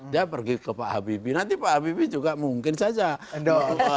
dia pergi ke pak habibie nanti pak habibie juga mungkin saja dong